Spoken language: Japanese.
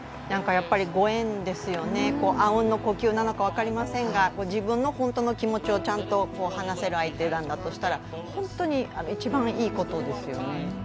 ご縁ですよね、あうんの呼吸なのか分かりませんが自分の本当の気持ちをちゃんと話せる相手なんだとしたら本当に一番いいことですよね。